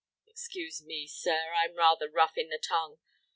Excuse me, sir, I'm rather rough in the tongue.